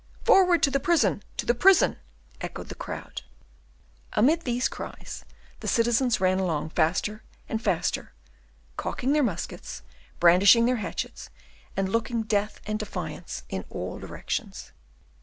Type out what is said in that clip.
"Forward to the prison, to the prison!" echoed the crowd. Amid these cries, the citizens ran along faster and faster, cocking their muskets, brandishing their hatchets, and looking death and defiance in all directions.